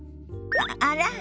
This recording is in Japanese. あら？